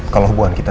kalau hubungan kita